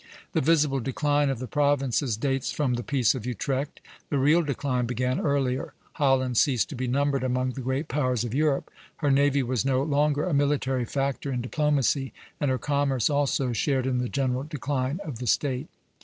The visible decline of the Provinces dates from the Peace of Utrecht; the real decline began earlier. Holland ceased to be numbered among the great powers of Europe, her navy was no longer a military factor in diplomacy, and her commerce also shared in the general decline of the State.